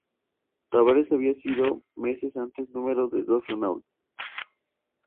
Tavares había sido meses antes número dos de Renault.